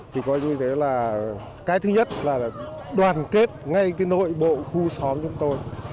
thì coi như thế là cái thứ nhất là đoàn kết ngay cái nội bộ khu xóm chúng tôi